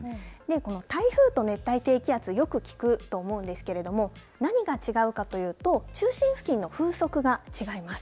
この台風と熱帯低気圧よく聞くと思うんですけれども何が違うかというと中心付近の風速が違います。